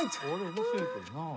面白いけどな。